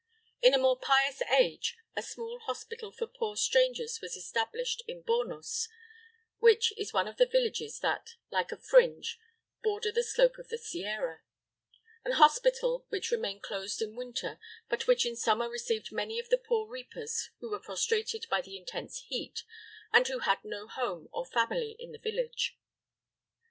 In a more pious age a small hospital for poor strangers was established in Bornos, which is one of the villages that, like a fringe, border the slope of the sierra; an hospital which remained closed in winter, but which in summer received many of the poor reapers who were prostrated by the intense heat, and who had no home or family in the village.